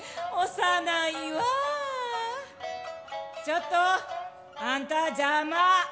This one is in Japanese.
「ちょっとあんたじゃま！」。